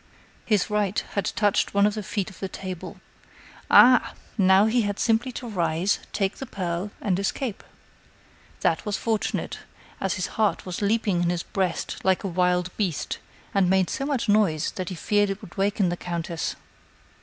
His right had touched one of the feet of the table. Ah! now, he had simply to rise, take the pearl, and escape. That was fortunate, as his heart was leaping in his breast like a wild beast, and made so much noise that he feared it would waken the countess.